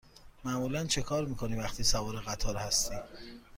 معمولا چکار می کنی وقتی سوار قطار هستی؟